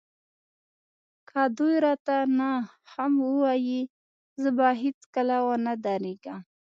که دوی راته نه هم ووايي زه به هېڅکله ونه درېږم.